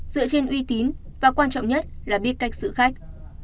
dựa trên uy tín và quan trọng nhất là biết cách xử khách